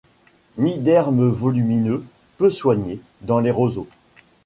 Nid d'herbe volumineux, peu soigné, dans les roseaux.